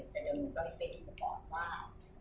เตะเดี๋ยวหนูก็เลยไปตัวบอกว่า